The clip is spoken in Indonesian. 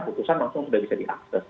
putusan langsung sudah bisa diakses